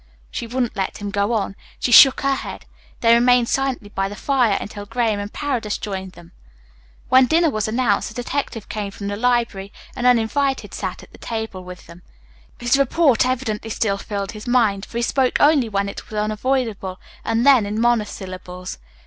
She wouldn't let him go on. She shook her head. They remained silently by the fire until Graham and Paredes joined them. When dinner was announced the detective came from the library, and, uninvited, sat at the table with them. His report evidently still filled his mind, for he spoke only when it was unavoidable and then in monosyllables.